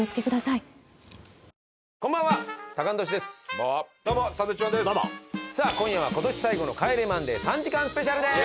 さあ今夜は今年最後の『帰れマンデー』３時間スペシャルです！